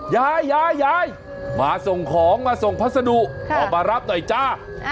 ยายยายมาส่งของมาส่งพัสดุออกมารับหน่อยจ้า